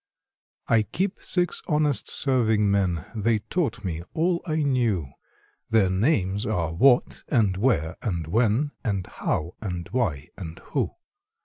I Keep six honest serving men: (They taught me all I knew) Their names are What and Where and When And How and Why and Who.